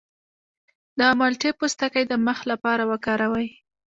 د مالټې پوستکی د مخ لپاره وکاروئ